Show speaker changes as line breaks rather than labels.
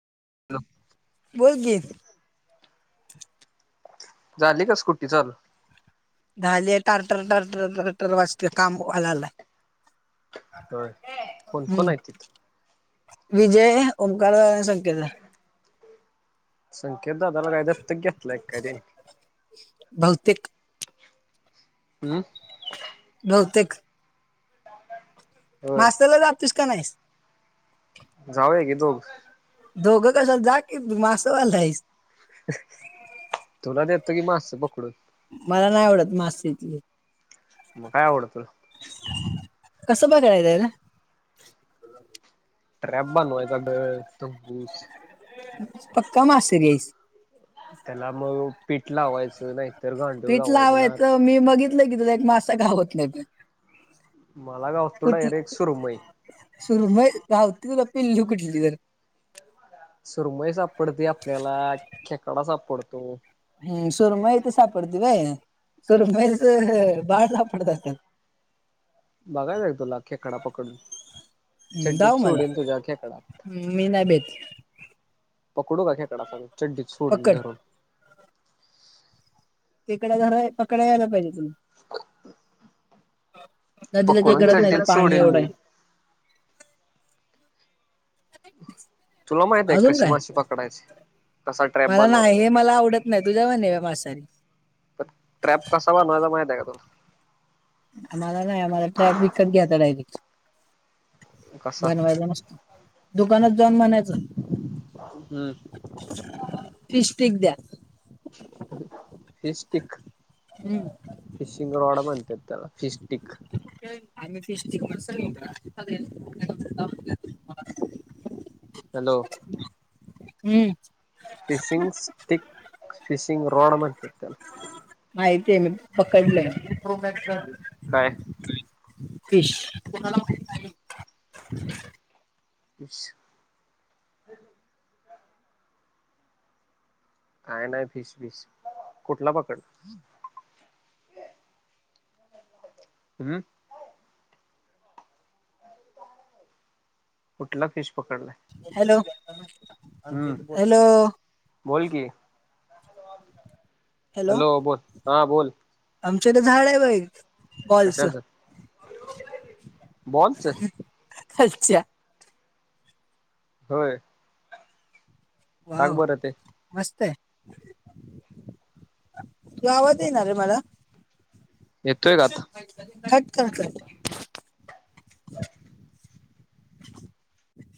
Hello
बोल की
झाली का स्कुटी चालू?
झाले टारटर टारटर टारटर वाजते काम व्हाला आलाय
होय. कोण
हम्म
कोण आहे तिथं?
विजय, ओमकार दादा आणि संकेत हाय.
संकेत दादाला काय दत्तक घेतलाय काय त्यांनी?
बहुतेक.
अं?
बहुतेक.
होय
मास्तरला जातीस का नाहीस?
जाऊय की दोघ
दोघं कशाला? जा की मासंवाला हाईस.
तुला देतो की मास पकडून.
मला नाही आवडत मास इतली.
म काय आवडतं?
कसं पकडाय जायचं?
ट्रॅप बनवायचा, डर, तंगुस
पक्का मासेरी हाईस.
तेला म पिठ लावायचं, नाही
पीठ लावायच, मी बघितलं की तुला एक मास गावत नाही पण.
मला गावतो डायरेक्ट सुरमई.
सुरमई गावती तुला पिल्ली कुठली तर.
सुरमई सापडती आपल्याला, खेकडा सापडतो.
हम् सुरमईत सापडती व्हय, सुरमईच बाळ सापडत आसल.
बघायचंय काय तुला खेकडा पकडून?
हम्म,
चड्डीत
जाऊ मला
सोडीन तुझ्या खेकडा.
हम्म, मी नाही भेट
पकडू काय खेकडा सांग, चड्डीत सोडीन
पकड
धरून.
तिकडं धराय, पकडाय याला पाहिजे तुम्हा नदीला
पकडून
केकडंच नाहीत
चड्डीत
पाणी
सोडीन
एवढं
मी
आहे.
तुला माहिताय काय कशी माशी पकडायची. कसा ट्रॅप
मला नाही
बनवायचा
हे मला आवडत नाही, तुझ्याव न न म असंय.
प ट्रॅप कसा बनवायचा माहित आहे का तुला?
आम्हाला नाही, आम्हाला ट्रॅप विकत घ्यायता डायरेक्ट.
कसा
बनवायला नसतो, दुकानच जाऊन म्हनायचं
हम्म
फिशस्टिक द्या.
हे स्टिक
हम्म
फिशिंग रॉड म्हणत्यात त्याला,, फिश्टिक.
का आम्ही फिशटिक [unintelligible]
हॅलो!
हम्म.
फिशिंग स्टिक, फिशिंग रॉड म्हणत्यात त्याला.
माहती आहे, मी पकडलय, प्रो बॅक कर.
काय?
फिश, कुणाला माहित नाही.
यस. काय नाही फीश बीस, कुठला पकड हम्म. कुठला फिश पकडलाय?
हॅलो हॅलो
बोलकी.
हॅलो,
बोल हा बोल
आमच्या इथं झाड हाय बाई
कशाच, बॉलच.
खालच्या
होय. टाक
वाव
बरं ते
मस्तय. तूझा आवाात येणा रे मला.
येतोय का आता.
कट कर कट